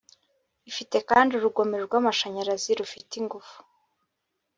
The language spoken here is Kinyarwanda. ifite kandi urugomero rw'amashanyarazi rufite ingufu